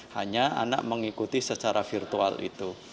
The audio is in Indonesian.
hanya anak mengikuti secara virtual itu